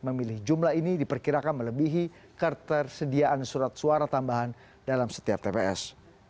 memilih jumlah ini diperkirakan melebihi ketersediaan surat suara tambahan dalam setiap tps